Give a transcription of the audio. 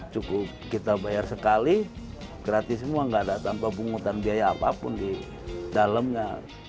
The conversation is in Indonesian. cukup kita bayar sekali gratis semua gak ada tambah bungutan biaya apapun di dalamnya